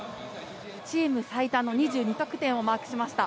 チーム最多の２２得点をマークしました。